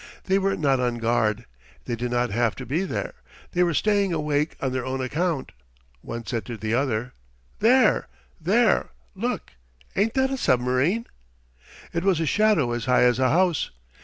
They were not on guard. They did not have to be there they were staying awake on their own account. One said to the other: "There, there look! Ain't that a submarine?" It was a shadow as high as a house.